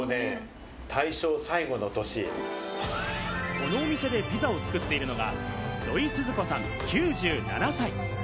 このお店でピザを作っているのが土井スズ子さん、９７歳。